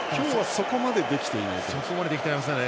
そこまでできていないですね。